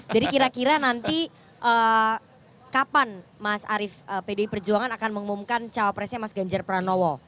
jadi kira kira nanti kapan mas arief pdp perjuangan akan mengumumkan cawapresnya mas ganjar pranowo